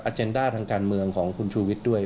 เจนด้าทางการเมืองของคุณชูวิทย์ด้วย